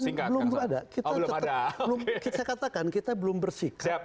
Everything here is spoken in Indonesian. saya katakan kita belum bersikap